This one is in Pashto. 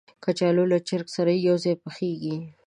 کچالو له چرګ سره یو ځای پخېږي